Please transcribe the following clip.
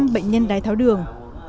chín mươi bảy bệnh nhân đai tháo đường